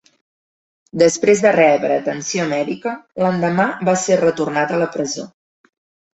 Després de rebre atenció mèdica, l'endemà va ser retornat a la presó.